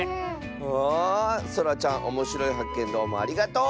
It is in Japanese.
ああそらちゃんおもしろいはっけんどうもありがとう！